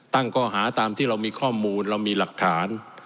ข้อหาตามที่เรามีข้อมูลเรามีหลักฐาน